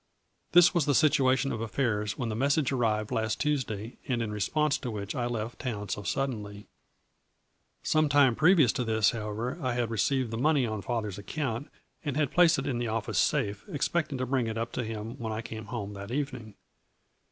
This was the situation of affairs when the message arrived last Tuesday and in response to which I left town so suddenly. Some time previous to this, however, I had received the money on father's account and had placed it in the office safe, ex pecting to bring it up to him when I came home that evening.